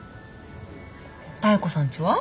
妙子さんちは？